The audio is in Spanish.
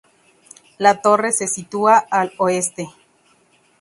La torre se sitúa al oeste.